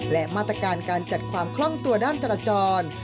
และมาตรการการจัดความคล่องตัวด้านจราจร